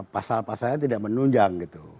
pasal pasalnya tidak menunjang gitu